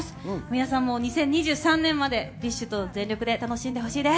皆さんも２０２３年までＢｉＳＨと全力で楽しんでほしいです。